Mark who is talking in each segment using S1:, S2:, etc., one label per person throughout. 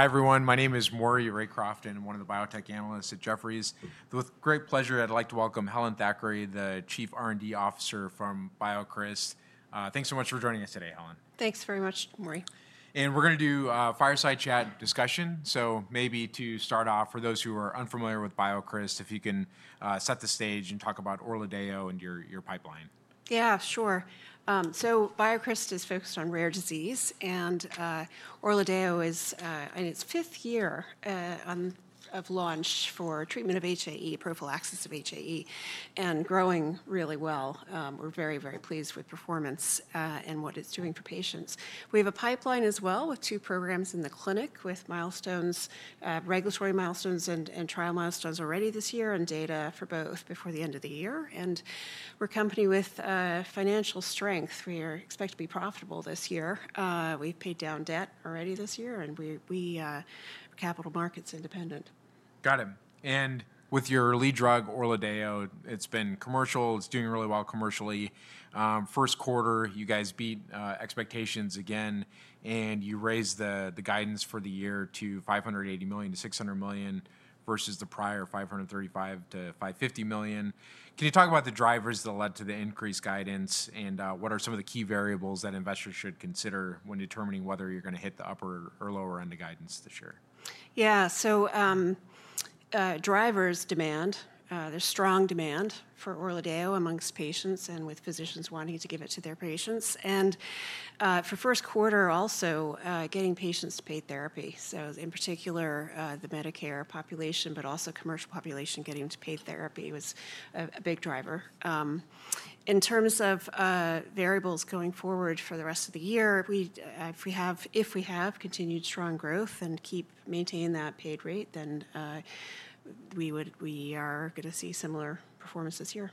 S1: Hi, everyone. My name is Maury Raycroft. I'm one of the biotech analysts at Jefferies. With great pleasure, I'd like to welcome Helen Thackray, the Chief R&D Officer from BioCryst. Thanks so much for joining us today, Helen.
S2: Thanks very much, Maury.
S1: We're going to do a fireside chat discussion. Maybe to start off, for those who are unfamiliar with BioCryst, if you can set the stage and talk about ORLADEYO and your pipeline.
S2: Yeah, sure. BioCryst is focused on rare disease, and ORLADEYO is in its fifth year of launch for treatment of HAE, prophylaxis of HAE, and growing really well. We are very, very pleased with performance and what it is doing for patients. We have a pipeline as well with two programs in the clinic with milestones, regulatory milestones and trial milestones already this year, and data for both before the end of the year. We are a company with financial strength. We expect to be profitable this year. We have paid down debt already this year, and we are capital markets independent.
S1: Got it. With your lead drug, ORLADEYO, it's been commercial. It's doing really well commercially. First quarter, you guys beat expectations again, and you raised the guidance for the year to $580 million-$600 million versus the prior $535 million-$550 million. Can you talk about the drivers that led to the increased guidance, and what are some of the key variables that investors should consider when determining whether you're going to hit the upper or lower end of guidance this year?
S2: Yeah, so drivers demand. There is strong demand for ORLADEYO amongst patients and with physicians wanting to give it to their patients. For first quarter, also getting patients to paid therapy. In particular, the Medicare population, but also commercial population, getting to paid therapy was a big driver. In terms of variables going forward for the rest of the year, if we have continued strong growth and keep maintaining that paid rate, then we are going to see similar performance this year.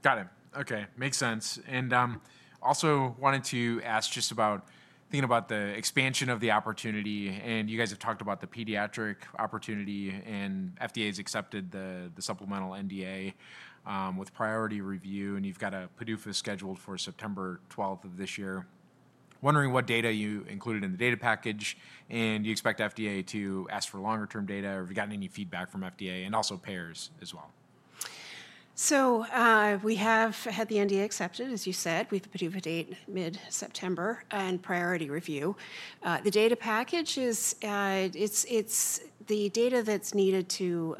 S1: Got it. OK, makes sense. I also wanted to ask just about thinking about the expansion of the opportunity. You guys have talked about the pediatric opportunity, and FDA has accepted the supplemental NDA with priority review. You've got a PDUFA scheduled for September 12 of this year. Wondering what data you included in the data package, and do you expect FDA to ask for longer-term data. Have you gotten any feedback from FDA and also payers as well?
S2: We have had the NDA accepted, as you said. We have a PDUFA date mid-September and priority review. The data package is the data that's needed to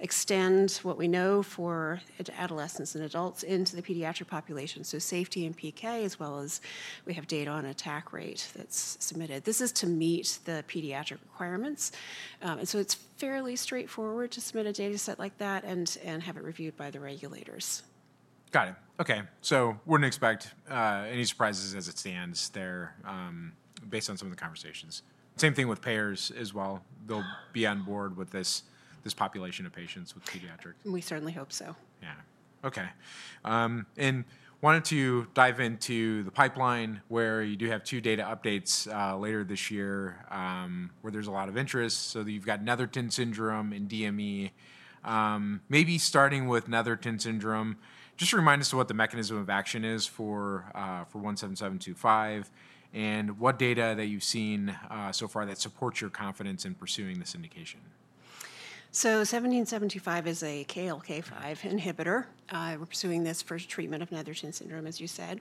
S2: extend what we know for adolescents and adults into the pediatric population. Safety and PK, as well as we have data on attack rate that's submitted. This is to meet the pediatric requirements. It is fairly straightforward to submit a data set like that and have it reviewed by the regulators.
S1: Got it. OK, so wouldn't expect any surprises as it stands there based on some of the conversations. Same thing with payers as well. They'll be on board with this population of patients with pediatric.
S2: We certainly hope so.
S1: Yeah. OK. Wanted to dive into the pipeline where you do have two data updates later this year where there's a lot of interest. You've got Netherton syndrome and DME. Maybe starting with Netherton syndrome, just remind us what the mechanism of action is for 17725 and what data that you've seen so far that supports your confidence in pursuing this indication.
S2: 17725 is a KLK5 inhibitor. We're pursuing this for treatment of Netherton syndrome, as you said.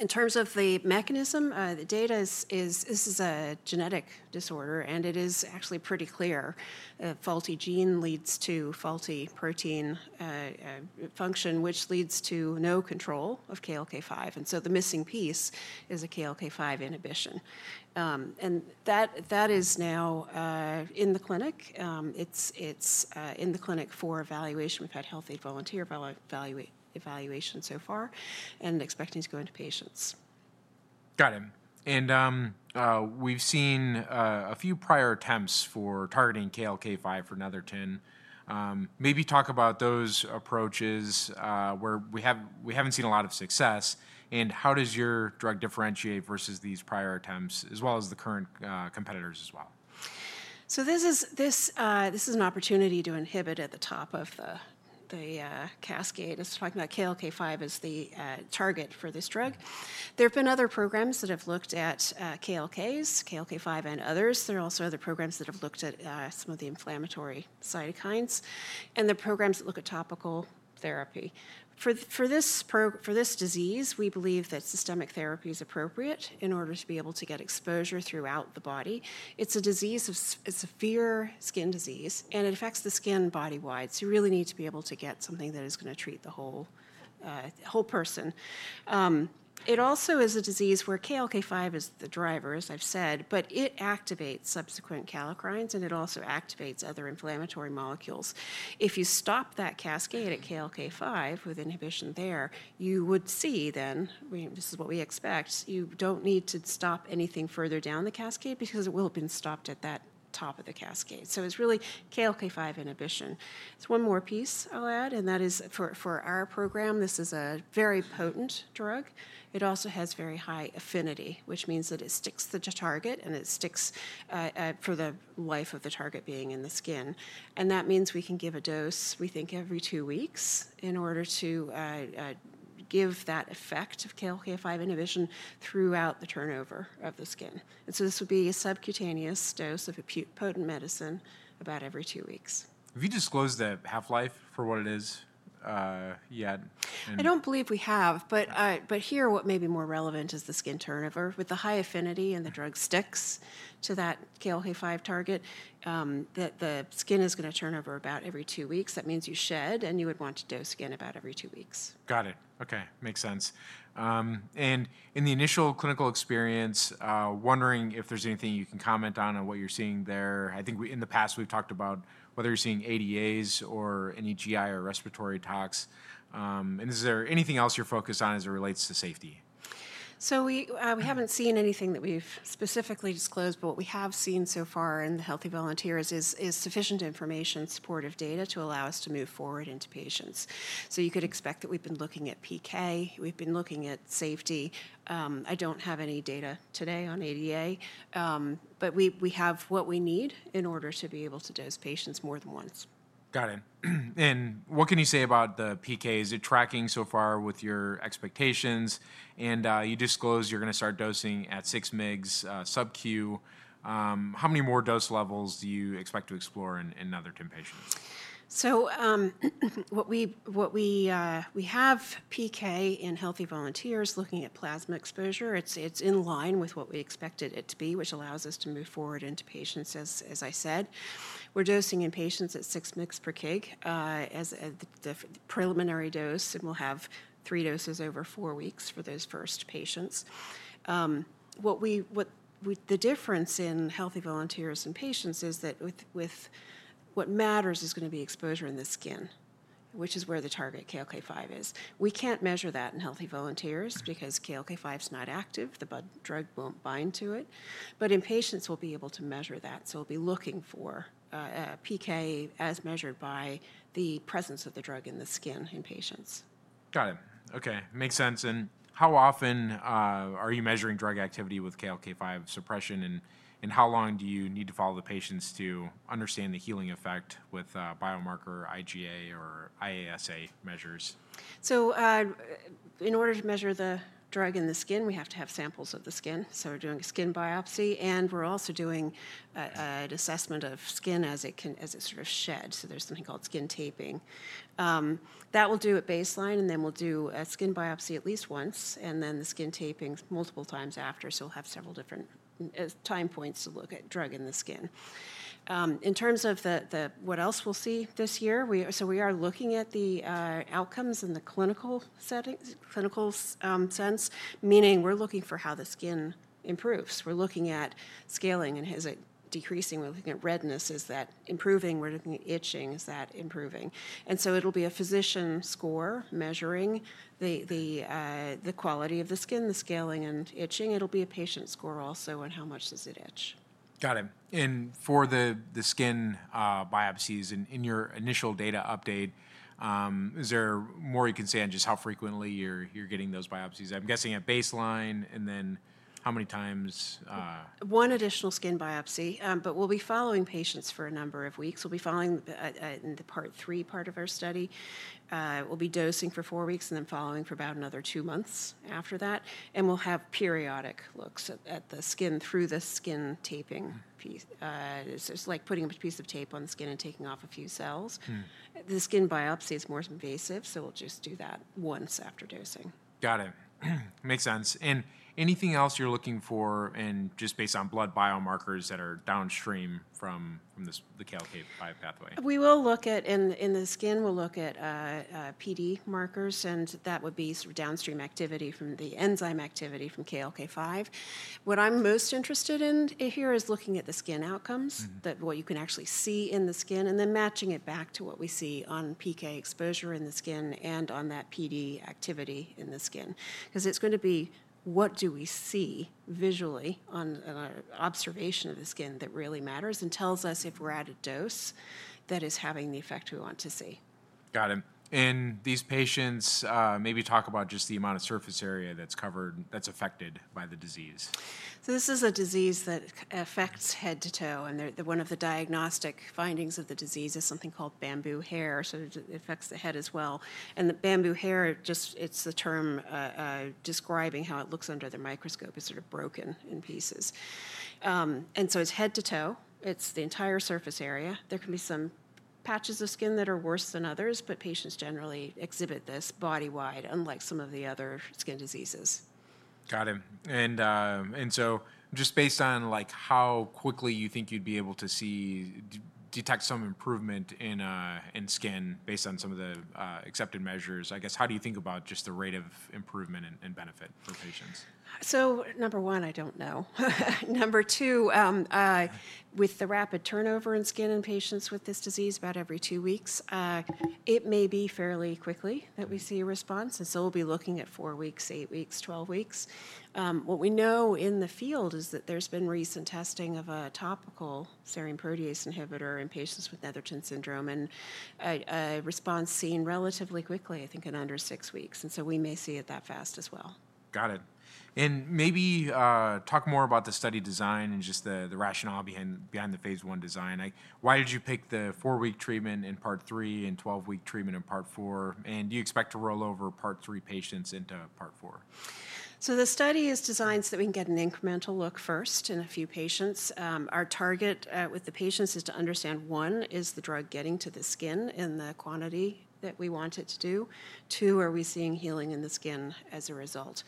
S2: In terms of the mechanism, the data is this is a genetic disorder, and it is actually pretty clear. A faulty gene leads to faulty protein function, which leads to no control of KLK5. The missing piece is a KLK5 inhibition. That is now in the clinic. It's in the clinic for evaluation. We've had healthy volunteer evaluation so far and expecting to go into patients.
S1: Got it. We have seen a few prior attempts for targeting KLK5 for Netherton. Maybe talk about those approaches where we have not seen a lot of success. How does your drug differentiate versus these prior attempts, as well as the current competitors as well?
S2: This is an opportunity to inhibit at the top of the cascade. It's talking about KLK5 as the target for this drug. There have been other programs that have looked at KLKs, KLK5 and others. There are also other programs that have looked at some of the inflammatory cytokines and the programs that look at topical therapy. For this disease, we believe that systemic therapy is appropriate in order to be able to get exposure throughout the body. It's a disease of, it's a severe skin disease, and it affects the skin body-wide. You really need to be able to get something that is going to treat the whole person. It also is a disease where KLK5 is the driver, as I've said, but it activates subsequent kallikreins, and it also activates other inflammatory molecules. If you stop that cascade at KLK5 with inhibition there, you would see then this is what we expect. You do not need to stop anything further down the cascade because it will have been stopped at that top of the cascade. It is really KLK5 inhibition. One more piece I will add, and that is for our program, this is a very potent drug. It also has very high affinity, which means that it sticks to target and it sticks for the life of the target being in the skin. That means we can give a dose, we think, every two weeks in order to give that effect of KLK5 inhibition throughout the turnover of the skin. This would be a subcutaneous dose of a potent medicine about every two weeks.
S1: Have you disclosed the half-life for what it is yet?
S2: I don't believe we have. Here, what may be more relevant is the skin turnover. With the high affinity and the drug sticks to that KLK5 target, the skin is going to turn over about every two weeks. That means you shed, and you would want to dose again about every two weeks.
S1: Got it. OK, makes sense. In the initial clinical experience, wondering if there's anything you can comment on and what you're seeing there. I think in the past, we've talked about whether you're seeing ADAs or any GI or respiratory tox. Is there anything else you're focused on as it relates to safety?
S2: We have not seen anything that we have specifically disclosed, but what we have seen so far in the healthy volunteers is sufficient information, supportive data to allow us to move forward into patients. You could expect that we have been looking at PK. We have been looking at safety. I do not have any data today on ADA, but we have what we need in order to be able to dose patients more than once.
S1: Got it. What can you say about the PK? Is it tracking so far with your expectations? You disclosed you're going to start dosing at six mg sub-Q. How many more dose levels do you expect to explore in Netherton patients?
S2: What we have is PK in healthy volunteers looking at plasma exposure. It's in line with what we expected it to be, which allows us to move forward into patients, as I said. We're dosing in patients at six mg per kg as the preliminary dose, and we'll have three doses over four weeks for those first patients. The difference in healthy volunteers and patients is that what matters is going to be exposure in the skin, which is where the target KLK5 is. We can't measure that in healthy volunteers because KLK5 is not active. The drug won't bind to it. In patients, we'll be able to measure that. We'll be looking for PK as measured by the presence of the drug in the skin in patients.
S1: Got it. OK, makes sense. How often are you measuring drug activity with KLK5 suppression, and how long do you need to follow the patients to understand the healing effect with biomarker IgA or IASA measures?
S2: In order to measure the drug in the skin, we have to have samples of the skin. We are doing a skin biopsy, and we are also doing an assessment of skin as it sort of sheds. There is something called skin taping. That will be done at baseline, and then we will do a skin biopsy at least once, and then the skin taping multiple times after. We will have several different time points to look at drug in the skin. In terms of what else we will see this year, we are looking at the outcomes in the clinical sense, meaning we are looking for how the skin improves. We are looking at scaling, and is it decreasing? We are looking at redness. Is that improving? We are looking at itching. Is that improving? It will be a physician score measuring the quality of the skin, the scaling, and itching. It'll be a patient score also on how much does it itch.
S1: Got it. For the skin biopsies, in your initial data update, is there more you can say on just how frequently you're getting those biopsies? I'm guessing at baseline, and then how many times?
S2: One additional skin biopsy. We'll be following patients for a number of weeks. We'll be following in the part three part of our study. We'll be dosing for four weeks and then following for about another two months after that. We'll have periodic looks at the skin through the skin taping. It's like putting a piece of tape on the skin and taking off a few cells. The skin biopsy is more invasive, so we'll just do that once after dosing.
S1: Got it. Makes sense. Anything else you're looking for just based on blood biomarkers that are downstream from the KLK5 pathway?
S2: We will look at in the skin, we'll look at PD markers, and that would be downstream activity from the enzyme activity from KLK5. What I'm most interested in here is looking at the skin outcomes, what you can actually see in the skin, and then matching it back to what we see on PK exposure in the skin and on that PD activity in the skin. Because it's going to be what do we see visually on our observation of the skin that really matters and tells us if we're at a dose that is having the effect we want to see.
S1: Got it. These patients, maybe talk about just the amount of surface area that's affected by the disease.
S2: This is a disease that affects head to toe. One of the diagnostic findings of the disease is something called bamboo hair. It affects the head as well. The bamboo hair, just, it's the term describing how it looks under the microscope, is sort of broken in pieces. It's head to toe. It's the entire surface area. There can be some patches of skin that are worse than others, but patients generally exhibit this body-wide, unlike some of the other skin diseases.
S1: Got it. Just based on how quickly you think you'd be able to detect some improvement in skin based on some of the accepted measures, I guess, how do you think about just the rate of improvement and benefit for patients?
S2: Number one, I don't know. Number two, with the rapid turnover in skin in patients with this disease, about every two weeks, it may be fairly quickly that we see a response. We'll be looking at four weeks, eight weeks, 12 weeks. What we know in the field is that there's been recent testing of a topical serum protease inhibitor in patients with Netherton syndrome and a response seen relatively quickly, I think, in under six weeks. We may see it that fast as well.
S1: Got it. Maybe talk more about the study design and just the rationale behind the phase one design. Why did you pick the four-week treatment in part three and 12-week treatment in part four? Do you expect to roll over part three patients into part four?
S2: The study is designed so that we can get an incremental look first in a few patients. Our target with the patients is to understand, one, is the drug getting to the skin in the quantity that we want it to do? Two, are we seeing healing in the skin as a result?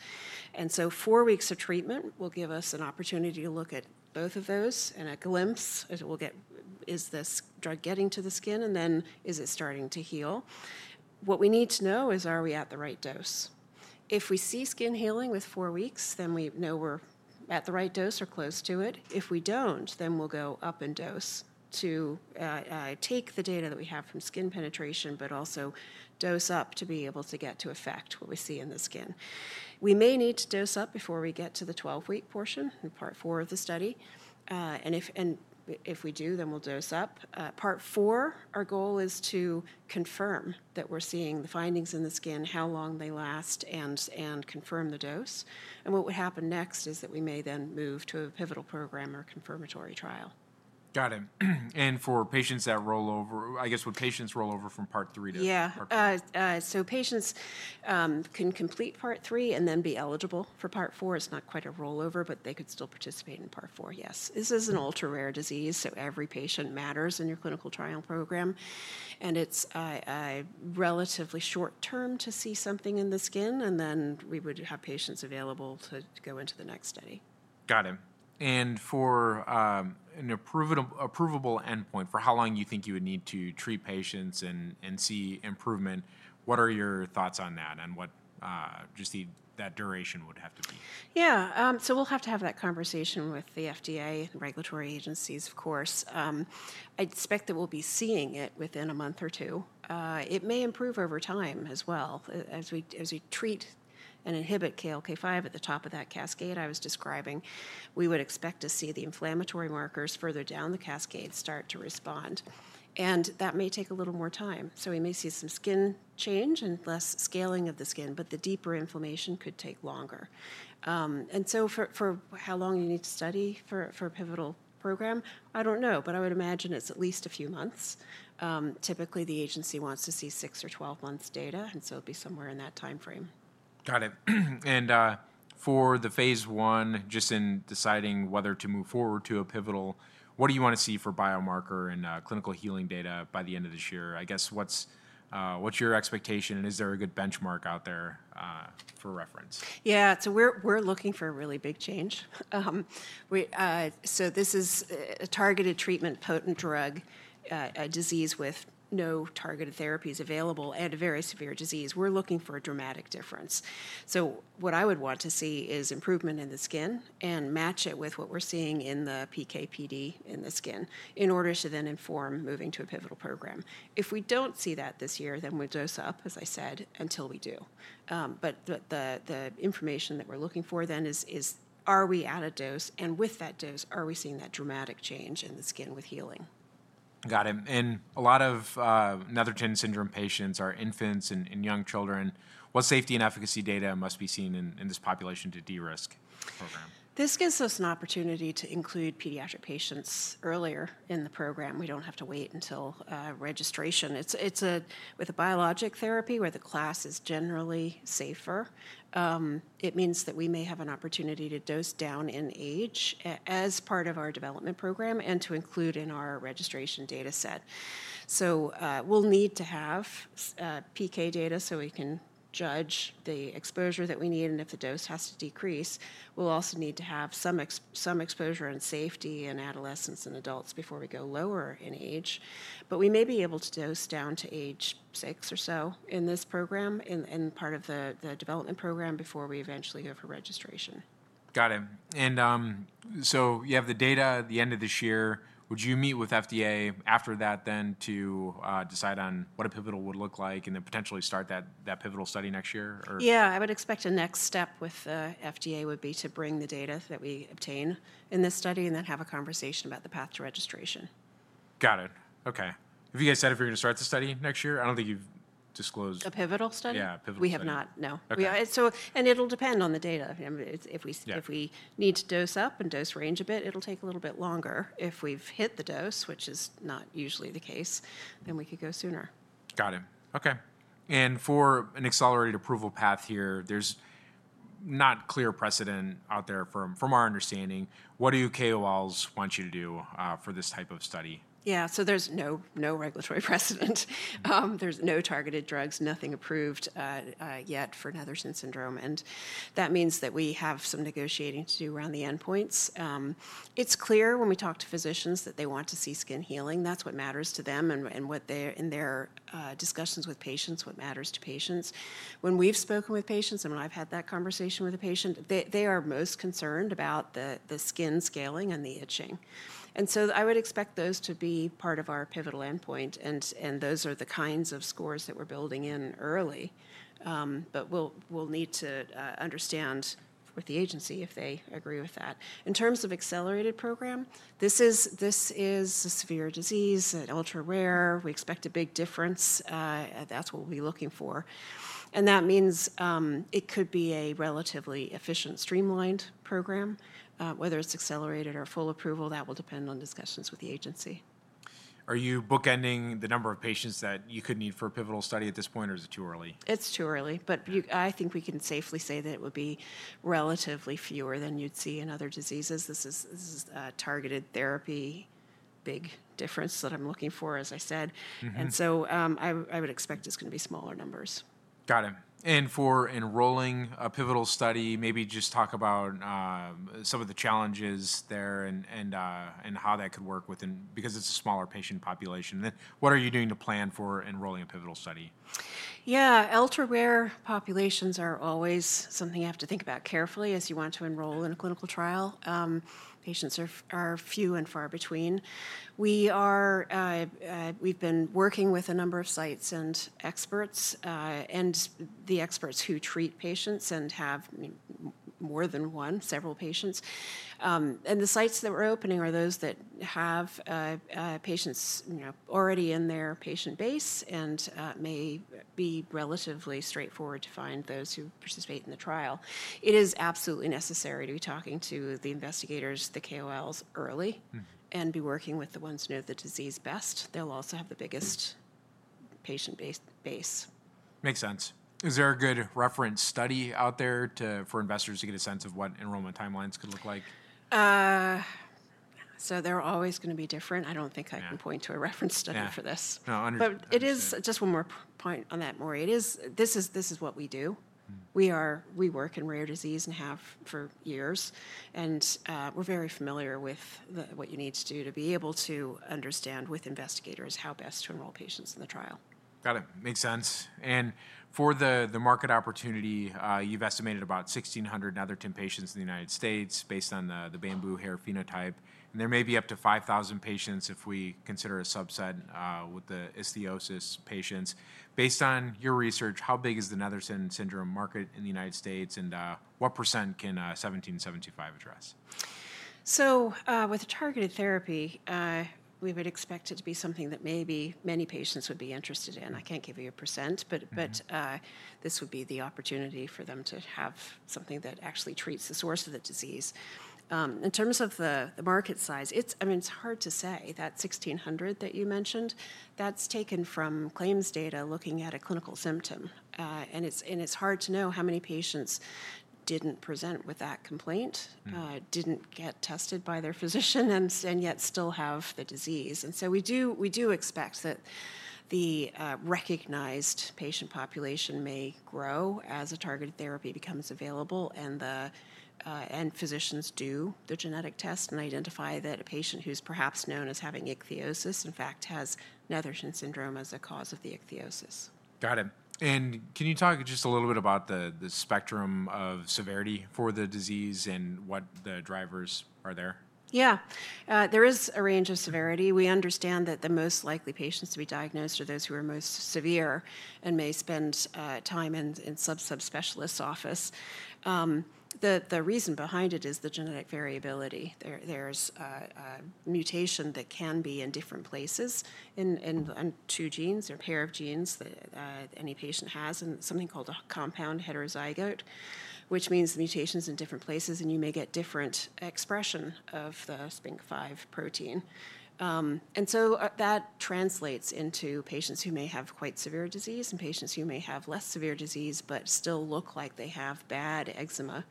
S2: Four weeks of treatment will give us an opportunity to look at both of those and a glimpse. We'll get, is this drug getting to the skin? Is it starting to heal? What we need to know is, are we at the right dose? If we see skin healing with four weeks, then we know we're at the right dose or close to it. If we don't, then we'll go up in dose to take the data that we have from skin penetration, but also dose up to be able to get to effect what we see in the skin. We may need to dose up before we get to the 12-week portion in part four of the study. If we do, then we'll dose up. Part four, our goal is to confirm that we're seeing the findings in the skin, how long they last, and confirm the dose. What would happen next is that we may then move to a pivotal program or confirmatory trial.
S1: Got it. For patients that roll over, I guess, would patients roll over from part three to part four?
S2: Yeah. Patients can complete part three and then be eligible for part four. It's not quite a roll over, but they could still participate in part four, yes. This is an ultra-rare disease, so every patient matters in your clinical trial program. It's relatively short-term to see something in the skin. We would have patients available to go into the next study.
S1: Got it. For an approvable endpoint for how long you think you would need to treat patients and see improvement, what are your thoughts on that and what do you see that duration would have to be?
S2: Yeah. We'll have to have that conversation with the FDA and regulatory agencies, of course. I expect that we'll be seeing it within a month or two. It may improve over time as well. As we treat and inhibit KLK5 at the top of that cascade I was describing, we would expect to see the inflammatory markers further down the cascade start to respond. That may take a little more time. We may see some skin change and less scaling of the skin, but the deeper inflammation could take longer. For how long you need to study for a pivotal program, I don't know, but I would imagine it's at least a few months. Typically, the agency wants to see six or 12 months data, so it'd be somewhere in that time frame.
S1: Got it. For the phase one, just in deciding whether to move forward to a pivotal, what do you want to see for biomarker and clinical healing data by the end of this year? I guess, what's your expectation, and is there a good benchmark out there for reference?
S2: Yeah. We are looking for a really big change. This is a targeted treatment, potent drug, a disease with no targeted therapies available and a very severe disease. We are looking for a dramatic difference. What I would want to see is improvement in the skin and match it with what we are seeing in the PK/PD in the skin in order to then inform moving to a pivotal program. If we do not see that this year, we will dose up, as I said, until we do. The information that we are looking for then is, are we at a dose? With that dose, are we seeing that dramatic change in the skin with healing?
S1: Got it. A lot of Netherton syndrome patients are infants and young children. What safety and efficacy data must be seen in this population to de-risk the program?
S2: This gives us an opportunity to include pediatric patients earlier in the program. We don't have to wait until registration. With a biologic therapy, where the class is generally safer, it means that we may have an opportunity to dose down in age as part of our development program and to include in our registration data set. We'll need to have PK data so we can judge the exposure that we need. If the dose has to decrease, we'll also need to have some exposure and safety in adolescents and adults before we go lower in age. We may be able to dose down to age 6 or so in this program, in part of the development program, before we eventually go for registration.
S1: Got it. You have the data at the end of this year. Would you meet with FDA after that then to decide on what a pivotal would look like and then potentially start that pivotal study next year?
S2: Yeah. I would expect a next step with FDA would be to bring the data that we obtain in this study and then have a conversation about the path to registration.
S1: Got it. OK. Have you guys said if you're going to start the study next year? I don't think you've disclosed.
S2: A pivotal study?
S1: Yeah, a pivotal study.
S2: We have not. No. It will depend on the data. If we need to dose up and dose range a bit, it will take a little bit longer. If we have hit the dose, which is not usually the case, then we could go sooner.
S1: Got it. OK. For an accelerated approval path here, there's not clear precedent out there from our understanding. What do KOLs want you to do for this type of study?
S2: Yeah. There is no regulatory precedent. There are no targeted drugs, nothing approved yet for Netherton syndrome. That means we have some negotiating to do around the endpoints. It is clear when we talk to physicians that they want to see skin healing. That is what matters to them. In their discussions with patients, what matters to patients. When we have spoken with patients and when I have had that conversation with a patient, they are most concerned about the skin scaling and the itching. I would expect those to be part of our pivotal endpoint. Those are the kinds of scores that we are building in early. We will need to understand with the agency if they agree with that. In terms of accelerated program, this is a severe disease, ultra-rare. We expect a big difference. That is what we will be looking for. That means it could be a relatively efficient streamlined program. Whether it's accelerated or full approval, that will depend on discussions with the agency.
S1: Are you bookending the number of patients that you could need for a pivotal study at this point, or is it too early?
S2: It's too early. I think we can safely say that it would be relatively fewer than you'd see in other diseases. This is targeted therapy, big difference that I'm looking for, as I said. I would expect it's going to be smaller numbers.
S1: Got it. For enrolling a pivotal study, maybe just talk about some of the challenges there and how that could work within because it's a smaller patient population. What are you doing to plan for enrolling a pivotal study?
S2: Yeah. Ultra-rare populations are always something you have to think about carefully as you want to enroll in a clinical trial. Patients are few and far between. We've been working with a number of sites and experts, and the experts who treat patients and have more than one, several patients. The sites that we're opening are those that have patients already in their patient base and may be relatively straightforward to find those who participate in the trial. It is absolutely necessary to be talking to the investigators, the KOLs, early and be working with the ones who know the disease best. They'll also have the biggest patient base.
S1: Makes sense. Is there a good reference study out there for investors to get a sense of what enrollment timelines could look like?
S2: They're always going to be different. I don't think I can point to a reference study for this.
S1: No.
S2: It is just one more point on that, Maury. This is what we do. We work in rare disease and have for years. We are very familiar with what you need to do to be able to understand with investigators how best to enroll patients in the trial.
S1: Got it. Makes sense. For the market opportunity, you've estimated about 1,600 Netherton patients in the United States based on the bamboo hair phenotype. There may be up to 5,000 patients if we consider a subset with the ichthyosis patients. Based on your research, how big is the Netherton syndrome market in the United States? What percent can 1775 address?
S2: With a targeted therapy, we would expect it to be something that maybe many patients would be interested in. I can't give you a percent, but this would be the opportunity for them to have something that actually treats the source of the disease. In terms of the market size, I mean, it's hard to say. That 1,600 that you mentioned, that's taken from claims data looking at a clinical symptom. It's hard to know how many patients didn't present with that complaint, didn't get tested by their physician, and yet still have the disease. We do expect that the recognized patient population may grow as a targeted therapy becomes available. Physicians do the genetic test and identify that a patient who's perhaps known as having ichthyosis, in fact, has Netherton syndrome as a cause of the ichthyosis.
S1: Got it. Can you talk just a little bit about the spectrum of severity for the disease and what the drivers are there?
S2: Yeah. There is a range of severity. We understand that the most likely patients to be diagnosed are those who are most severe and may spend time in subspecialist office. The reason behind it is the genetic variability. There's a mutation that can be in different places in two genes or a pair of genes that any patient has, and something called a compound heterozygote, which means mutations in different places. You may get different expression of the SPINK5 protein. That translates into patients who may have quite severe disease and patients who may have less severe disease but still look like they have bad eczema.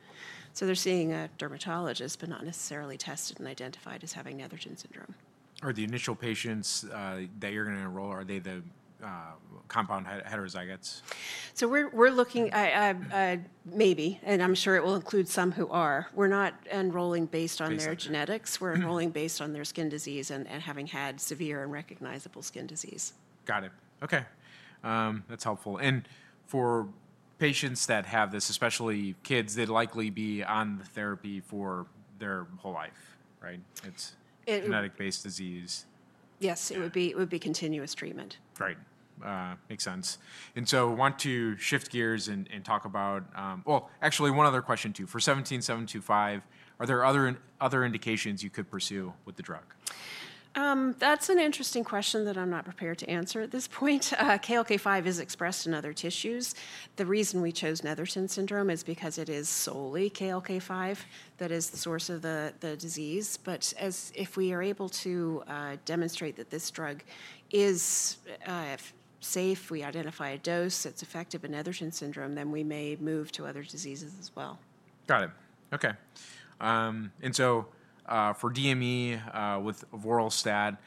S2: They are seeing a dermatologist but not necessarily tested and identified as having Netherton syndrome.
S1: Are the initial patients that you're going to enroll, are they the compound heterozygotes?
S2: We're looking maybe, and I'm sure it will include some who are. We're not enrolling based on their genetics. We're enrolling based on their skin disease and having had severe and recognizable skin disease.
S1: Got it. OK. That's helpful. For patients that have this, especially kids, they'd likely be on the therapy for their whole life, right? It's a genetic-based disease.
S2: Yes. It would be continuous treatment.
S1: Right. Makes sense. I want to shift gears and talk about, well, actually, one other question too. For 1775, are there other indications you could pursue with the drug?
S2: That's an interesting question that I'm not prepared to answer at this point. KLK5 is expressed in other tissues. The reason we chose Netherton syndrome is because it is solely KLK5 that is the source of the disease. If we are able to demonstrate that this drug is safe, we identify a dose that's effective in Netherton syndrome, then we may move to other diseases as well.
S1: Got it. OK. And for DME with Avoralstat,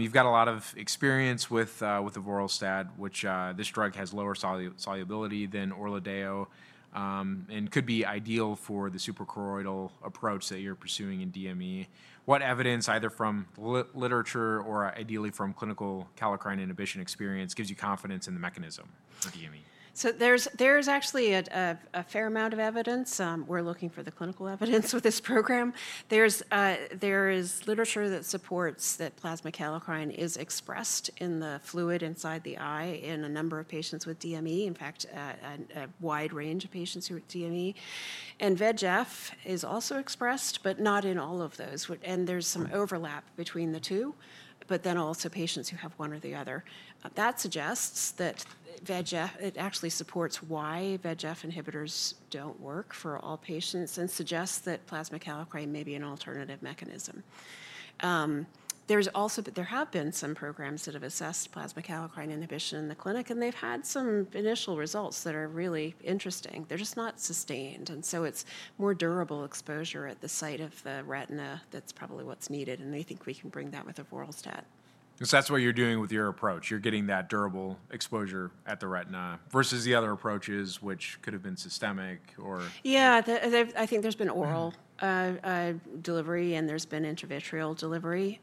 S1: you've got a lot of experience with Avoralstat, which this drug has lower solubility than ORLADEYO and could be ideal for the supracoroidal approach that you're pursuing in DME. What evidence, either from literature or ideally from clinical kallikrein inhibition experience, gives you confidence in the mechanism of DME?
S2: There is actually a fair amount of evidence. We're looking for the clinical evidence with this program. There is literature that supports that plasma kallikrein is expressed in the fluid inside the eye in a number of patients with DME, in fact, a wide range of patients who are DME. VEGF is also expressed, but not in all of those. There is some overlap between the two, but then also patients who have one or the other. That suggests that VEGF, it actually supports why VEGF inhibitors do not work for all patients and suggests that plasma kallikrein may be an alternative mechanism. There have been some programs that have assessed plasma kallikrein inhibition in the clinic, and they have had some initial results that are really interesting. They are just not sustained. It is more durable exposure at the site of the retina that is probably what is needed. We think we can bring that with Avoralstat.
S1: That's what you're doing with your approach. You're getting that durable exposure at the retina versus the other approaches, which could have been systemic or.
S2: Yeah. I think there's been oral delivery, and there's been intravitreal delivery.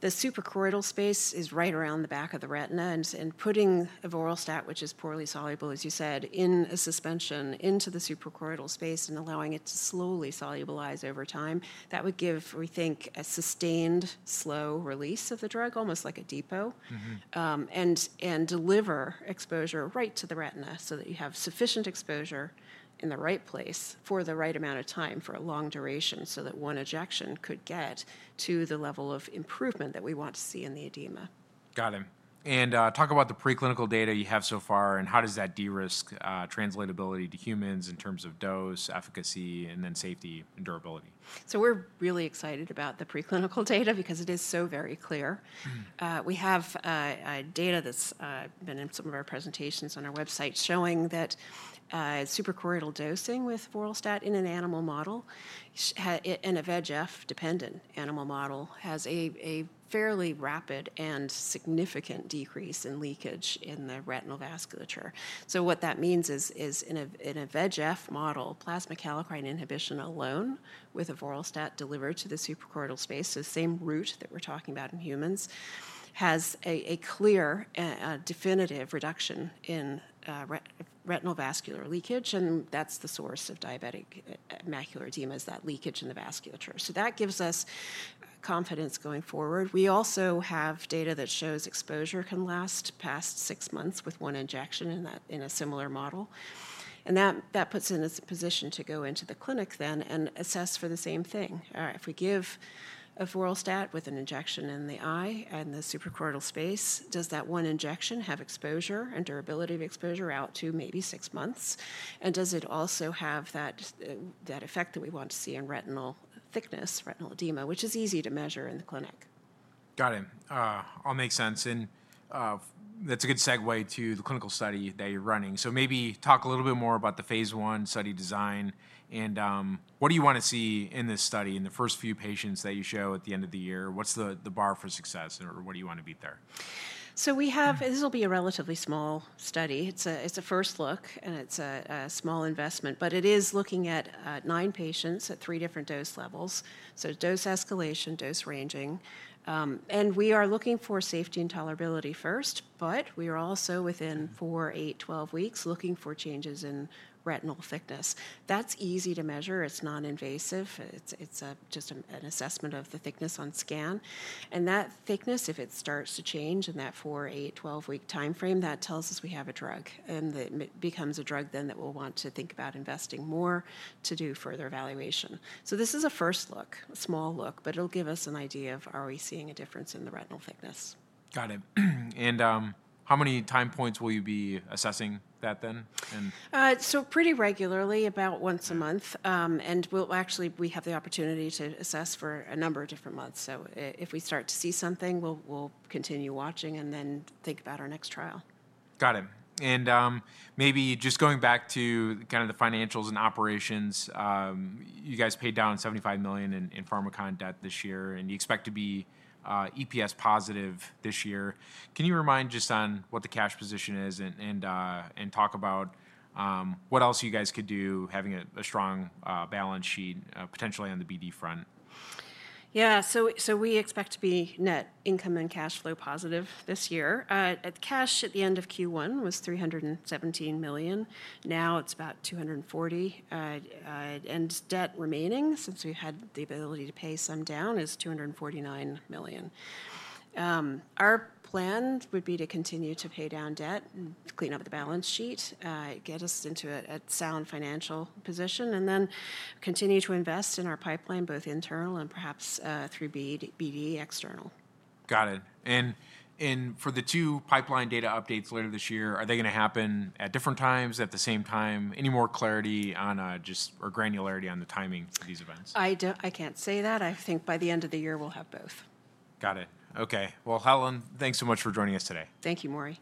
S2: The supracoroidal space is right around the back of the retina. Putting Avoralstat, which is poorly soluble, as you said, in a suspension into the supracoroidal space and allowing it to slowly solubilize over time, that would give, we think, a sustained slow release of the drug, almost like a depot, and deliver exposure right to the retina so that you have sufficient exposure in the right place for the right amount of time for a long duration so that one injection could get to the level of improvement that we want to see in the edema.
S1: Got it. Talk about the preclinical data you have so far, and how does that de-risk translatability to humans in terms of dose, efficacy, and then safety and durability?
S2: We're really excited about the preclinical data because it is so very clear. We have data that's been in some of our presentations on our website showing that supracoroidal dosing with Avoralstat in an animal model and a VEGF-dependent animal model has a fairly rapid and significant decrease in leakage in the retinal vasculature. What that means is in a VEGF model, plasma kallikrein inhibition alone with Avoralstat delivered to the supracoroidal space, the same route that we're talking about in humans, has a clear, definitive reduction in retinal vascular leakage. That is the source of diabetic macular edema, is that leakage in the vasculature. That gives us confidence going forward. We also have data that shows exposure can last past six months with one injection in a similar model. That puts in a position to go into the clinic then and assess for the same thing. If we give Avoralstat with an injection in the eye in the supracoroidal space, does that one injection have exposure and durability of exposure out to maybe six months? Does it also have that effect that we want to see in retinal thickness, retinal edema, which is easy to measure in the clinic?
S1: Got it. All makes sense. That's a good segue to the clinical study that you're running. Maybe talk a little bit more about the phase one study design. What do you want to see in this study in the first few patients that you show at the end of the year? What's the bar for success, or what do you want to beat there?
S2: We have, and this will be a relatively small study. It's a first look, and it's a small investment. It is looking at nine patients at three different dose levels, so dose escalation, dose ranging. We are looking for safety and tolerability first, but we are also within 4, 8, 12 weeks looking for changes in retinal thickness. That's easy to measure. It's noninvasive. It's just an assessment of the thickness on scan. That thickness, if it starts to change in that 4, 8, 12-week time frame, that tells us we have a drug. It becomes a drug then that we'll want to think about investing more to do further evaluation. This is a first look, a small look, but it'll give us an idea of are we seeing a difference in the retinal thickness.
S1: Got it. How many time points will you be assessing that then?
S2: Pretty regularly, about once a month. Actually, we have the opportunity to assess for a number of different months. If we start to see something, we'll continue watching and then think about our next trial.
S1: Got it. Maybe just going back to kind of the financials and operations, you guys paid down $75 million in Pharmakon debt this year, and you expect to be EPS positive this year. Can you remind just on what the cash position is and talk about what else you guys could do, having a strong balance sheet potentially on the BD front?
S2: Yeah. We expect to be net income and cash flow positive this year. Cash at the end of Q1 was $317 million. Now it's about $240 million. Debt remaining, since we've had the ability to pay some down, is $249 million. Our plan would be to continue to pay down debt, clean up the balance sheet, get us into a sound financial position, and then continue to invest in our pipeline, both internal and perhaps through BD external.
S1: Got it. For the two pipeline data updates later this year, are they going to happen at different times, at the same time? Any more clarity or granularity on the timing for these events?
S2: I can't say that. I think by the end of the year, we'll have both.
S1: Got it. OK. Helen, thanks so much for joining us today.
S2: Thank you, Maury.